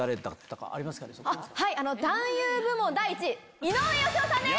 男優部門第１位井上芳雄さんです！